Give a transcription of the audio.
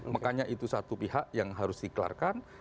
makanya itu satu pihak yang harus dikeluarkan